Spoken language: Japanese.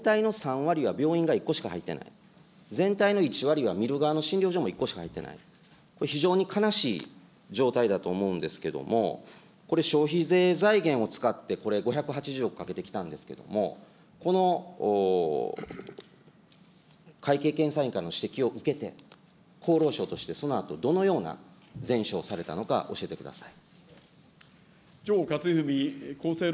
だから全体の３割は病院が１個しか入ってない、全体の１割は、見る側の診療所も１個しか入ってない、非常に悲しい状態だと思うんですけども、これ、消費税財源を使って、これ５８０億かけてきたんですけれども、この会計検査院からの指摘を受けて、厚労省としてそのあとどのような善処をされたのか、教えてください。